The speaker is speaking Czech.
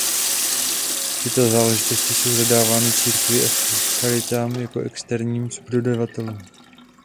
Tyto záležitosti jsou zadávány církvi a charitám jako externím subdodavatelům.